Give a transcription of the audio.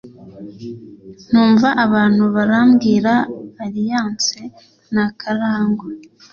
numva abantu barabwira arianse na karangwa